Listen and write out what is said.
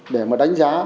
để mà đánh giá